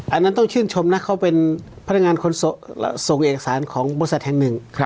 อันนั้นต้องชื่นชมนะเขาเป็นพนักงานส่งเอกสารของบริษัทแห่งหนึ่ง